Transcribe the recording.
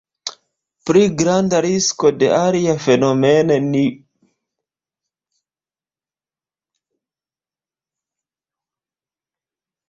Pli granda risko de alia fenomeno ne pravigas eventualan novan riskon eĉ malgrandan.